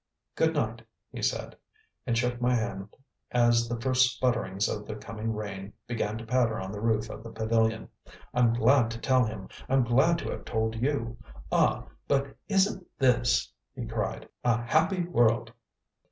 "Good night," he said, and shook my hand as the first sputterings of the coming rain began to patter on the roof of the pavilion. "I'm glad to tell him; I'm glad to have told you. Ah, but isn't this," he cried, "a happy world!"